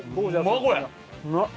うまっ！